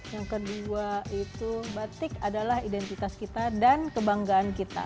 yang kedua itu batik adalah identitas kita dan kebanggaan kita